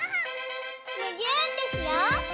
むぎゅーってしよう！